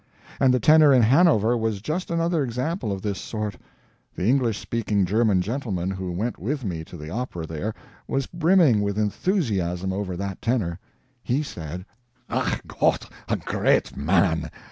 And the tenor in Hanover was just another example of this sort. The English speaking German gentleman who went with me to the opera there was brimming with enthusiasm over that tenor. He said: "ACH GOTT! a great man!